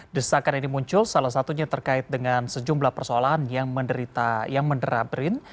desakan ini muncul salah satunya terkait dengan sejumlah persoalan yang menderita yang menderah brin